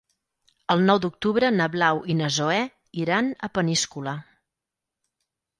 El nou d'octubre na Blau i na Zoè iran a Peníscola.